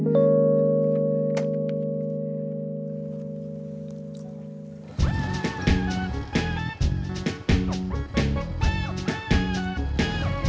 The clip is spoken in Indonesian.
neng rika mau langsung berangkat